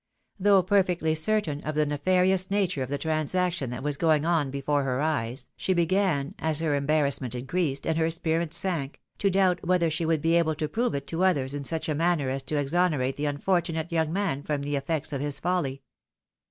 Though perfectly certain of the nefarious nature of the transac tion that was going on before her eyes, she began, as her embar rassment increased, and her spirits sank, to doubt whether she would be able to prove it to others in such a manner as to ex onerate the unfortunate young man from the effects of his foUy.